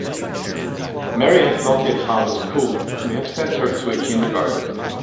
Mary has not yet found a school. We have sent her to a kindergarten.